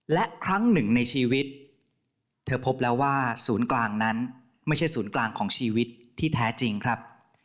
และครั้งหนึ่งในชีวิตเธอพบแล้วว่าศูนย์กลางนั้นไม่ใช่ศูนย์กลางของชีวิตที่แท้จริงครับ